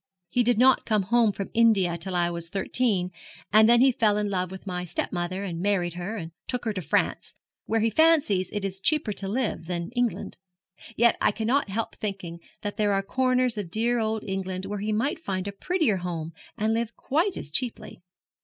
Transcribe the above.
He did not come home from India till I was thirteen, and then he fell in love with my stepmother, and married her, and took her to France, where he fancies it is cheaper to live than in England. Yet I cannot help thinking there are corners of dear old England where he might find a prettier home and live quite as cheaply.'